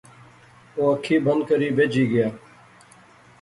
او اکھی بند کری بہجی گیا